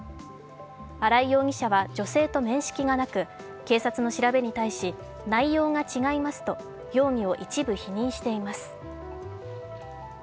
荒井容疑者は女性と面識がなく、警察の調べに対し内容が違いますと容疑を一部否認しています。